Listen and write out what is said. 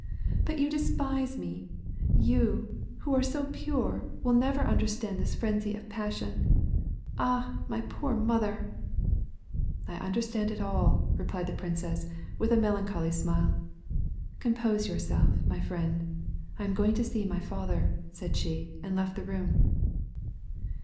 " But you despise me ! You, who are so pure, will never understand this frenzy of passion. Ah ! my poor mother !" t " I understand it all," replied the princess, with a melan choly smile. " Compose yourself, my friend, I am going to see my father," said she, and left the room.